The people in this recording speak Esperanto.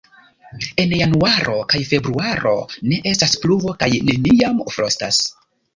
En januaro kaj februaro ne estas pluvo kaj neniam frostas.